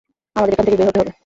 আমাদের এখান থেকে বের হতে হবে!